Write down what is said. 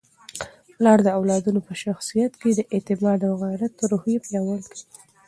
پلار د اولادونو په شخصیت کي د اعتماد او غیرت روحیه پیاوړې کوي.